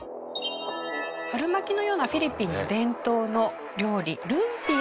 春巻きのようなフィリピンの伝統の料理ルンピア。